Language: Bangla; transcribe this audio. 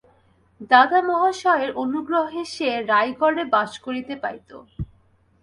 দাদামহাশয়ের অনুগ্রহে সে রায়গড়ে বাস করিতে পাইত।